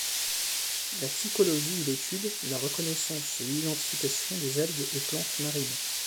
La Phycologie est l'étude, la reconnaissance et l’identification des algues et plantes marines.